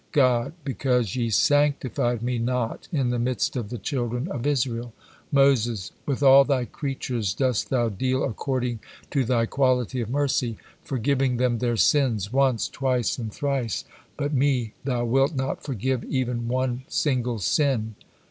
God: "Because ye sanctified Me not in the midst of the children of Israel." Moses: "With all Thy creatures dost Thou deal according to Thy quality of mercy, forgiving them their sins, once, twice, and thrice, but me Thou wilt not forgive even one single sin!"